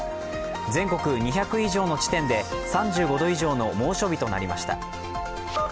全国２００以上の地点で３５度以上の猛暑日となりました。